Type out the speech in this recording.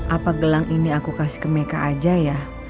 apa gelang ini aku kasih ke mereka aja ya